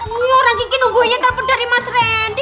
ini orang kiki nungguin telepon dari mas randy